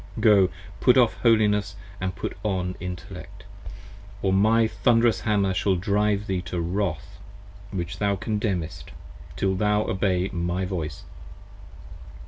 Go, put off Holiness And put on Intellect: or my thund'rous Hammer shall drive thee To wrath which thou condemnest: till thou obey my voice.